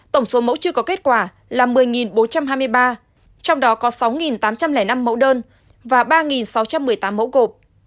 tổng số mẫu chưa có kết quả là một mươi bốn trăm hai mươi ba trong đó có sáu tám trăm linh năm mẫu đơn và ba sáu trăm một mươi tám mẫu cộp